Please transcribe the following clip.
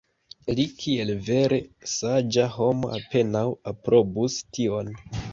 Li kiel vere saĝa homo apenaŭ aprobus tion.